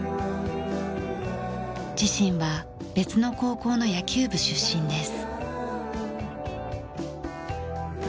自身は別の高校の野球部出身です。